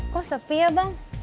kok sepi ya bang